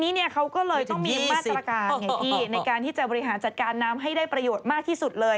ทีนี้เนี่ยเขาก็เลยต้องมีมาตรการไงพี่ในการที่จะบริหารจัดการน้ำให้ได้ประโยชน์มากที่สุดเลย